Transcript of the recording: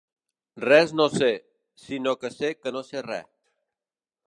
Res no sé, sinó que sé que no sé re!